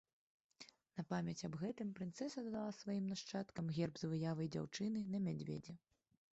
На памяць аб гэтым прынцэса дала сваім нашчадкам герб з выявай дзяўчыны на мядзведзі.